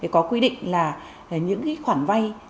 có quy định là những khoản vay